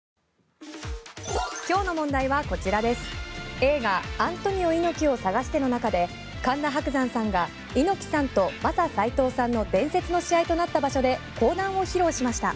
映画「アントニオ猪木をさがして」の中で神田伯山さんが猪木さんとマサ斎藤さんの伝説の試合となった場所で講談を披露しました。